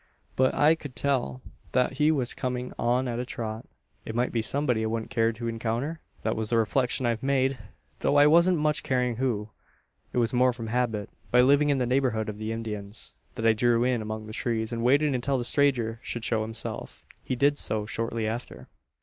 But I could tell that he was coming on at a trot. "It might be somebody I wouldn't care to encounter? "That was the reflection I made; though I wasn't much caring who. It was more from habit by living in the neighbourhood of the Indians that I drew in among the trees, and waited until the stranger should show himself. "He did so shortly after.